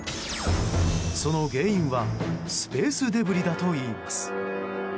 その原因はスペースデブリだといいます。